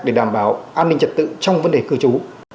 để đảm bảo an ninh trật tự trong vấn đề cư trú